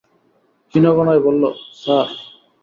ক্ষীণ গলায় বলল, স্যার।